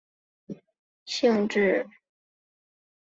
某些量子霍尔态似乎拥有适用于的性质。